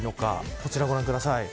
こちらをご覧ください。